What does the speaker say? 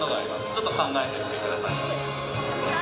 ちょっと考えてみてください。